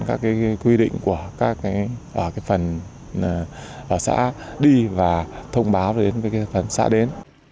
các quy định của các phần xã đi và thông báo đến với phần xã đến